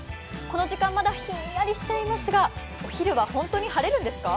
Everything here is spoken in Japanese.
この時間、まだひんやりしていますが、お昼は本当に晴れるんですか？